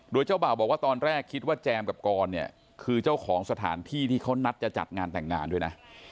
โดยเจ้าบ่าวบอกว่าตอนแรกคิดว่าแจมกับกรเนี่ยคือเจ้าของสถานที่ที่เขานัดจะจัดงานแต่งงานด้วยนะ